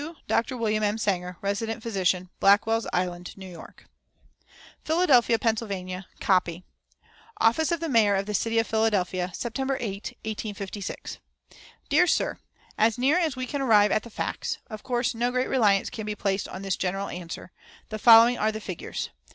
"To Dr. WM. W. SANGER, Resident Physician, Blackwell's Island, New York." PHILADELPHIA, PA. (Copy.) "Office of the Mayor of the City of Philadelphia, Sept. 8, 1856. "DEAR SIR, As near as we can arrive at the facts (of course no great reliance can be placed on this general answer) the following are the figures: 1.